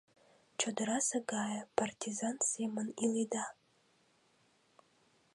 Чодырасе гае, партизан семын иледа.